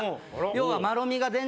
要は。